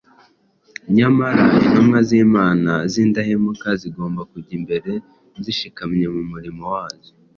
Nyamara intumwa z’Imana z’indahemuka zigomba kujya mbere zishikamye mu murimo wazo.